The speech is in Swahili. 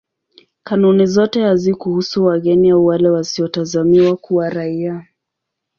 Kanuni zote hazikuhusu wageni au wale wasiotazamiwa kuwa raia.